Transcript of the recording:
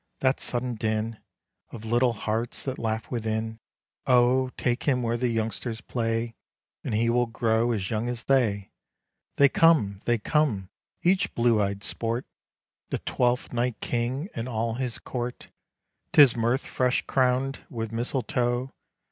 that sudden din Of little hearts that laugh within. Oh! take him where the youngsters play, And he will grow as young as they! They come! they come! each blue eyed Sport, The Twelfth Night King and all his court 'Tis Mirth fresh crown'd with misletoe!